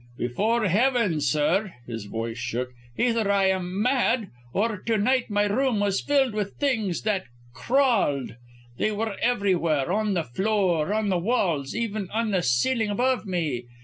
Before heaven, sir" his voice shook "either I am mad, or to night my room was filled with things that crawled! They were everywhere; on the floor, on the walls, even on the ceiling above me!